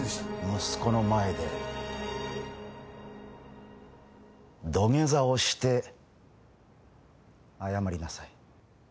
息子の前で土下座をして謝りなさい。